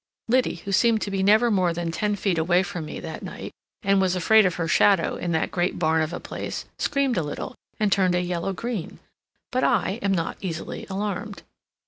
Liddy, who seemed to be never more than ten feet away from me that night, and was afraid of her shadow in that great barn of a place, screamed a little, and turned a yellow green. But I am not easily alarmed.